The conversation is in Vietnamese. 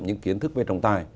những kiến thức về trồng tài